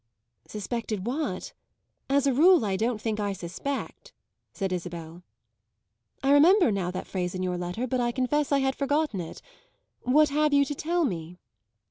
"Suspected what? As a rule I don't think I suspect," said Isabel. "I remember now that phrase in your letter, but I confess I had forgotten it. What have you to tell me?"